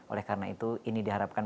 oleh karena itu ini diharapkan